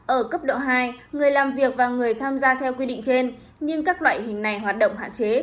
ở cấp độ hai người làm việc và người tham gia theo quy định trên nhưng các loại hình này hoạt động hạn chế